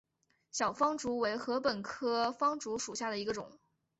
小方竹为禾本科方竹属下的一个种。